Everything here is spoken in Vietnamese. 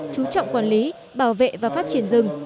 chú trọng quản lý bảo vệ và phát triển rừng